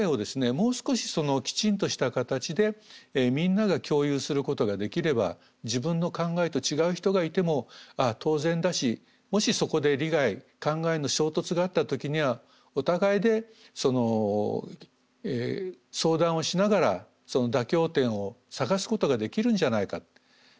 もう少しきちんとした形でみんなが共有することができれば自分の考えと違う人がいても当然だしもしそこで利害考えの衝突があった時にはお互いで相談をしながらその妥協点を探すことができるんじゃないかって。